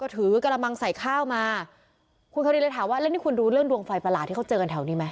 เธอดูเรื่องดวงไฟประหละที่เค้าเจอกันแถวนี้มั้ย